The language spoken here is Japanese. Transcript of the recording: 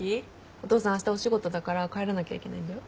お父さんあしたお仕事だから帰らなきゃいけないんだよ。